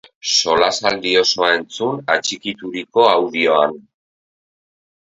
Solasaldi osoa entzun atxikitruriko audioan!